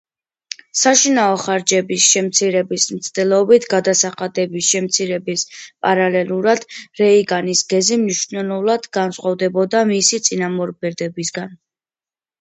საშინაო ხარჯების შემცირების მცდელობით გადასახადების შემცირების პარალელურად, რეიგანის გეზი მნიშვნელოვნად განსხვავდებოდა მისი წინამორბედებისგან.